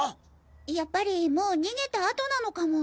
やっぱりもう逃げた後なのかも。